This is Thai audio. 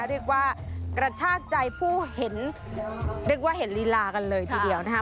เรียกว่ากระชากใจผู้เห็นเรียกว่าเห็นลีลากันเลยทีเดียวนะคะ